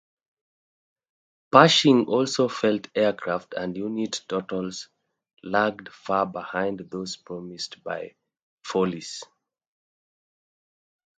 Pershing also felt aircraft and unit totals lagged far behind those promised by Foulois.